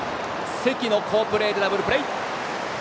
関の好プレーでダブルプレー！